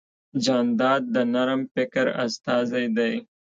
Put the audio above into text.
جانداد د نرم فکر استازی دی.